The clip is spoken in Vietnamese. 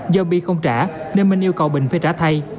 do bi không trả nên minh yêu cầu bình phải trả thay